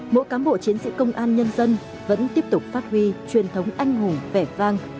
mỗi cán bộ chiến sĩ công an nhân dân vẫn tiếp tục phát huy truyền thống anh hùng vẻ vang